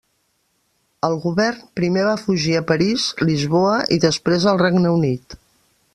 El govern primer va fugir a París, Lisboa i després al Regne Unit.